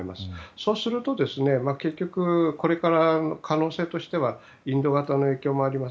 そうすると、結局これから可能性としてはインド型の影響もあります。